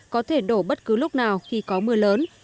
có thể đổ bất cứ lúc nào khi có mưa lớn